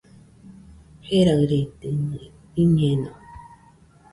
Jeraɨredɨmɨe, iñeno